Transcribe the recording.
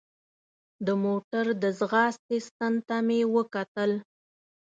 د موټر د ځغاستې ستن ته مې وکتل.